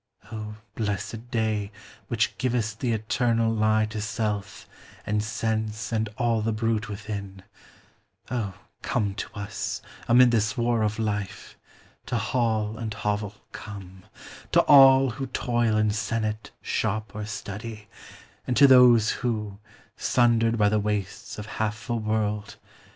Oh, blessed day, which givest the eternal lie To self, and sense, and all the brute within ; Oh, come to us, amid this war of life ; To hall and hovel, come ; to all who toil In senate, shop, or study ; and to those Who, sundered by the wastes of half a world.